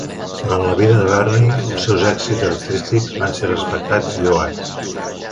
Durant la vida de Barney, els seus èxits artístics van ser respectats i lloats.